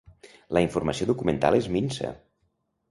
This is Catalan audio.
La informació documental és minsa.